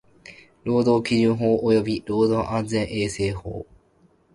労働基準法及び労働安全衛生法